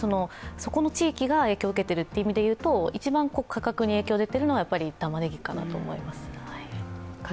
そこの地域が影響を受けている意味でいうと１番価格に影響出てるのがたまねぎかなと思います。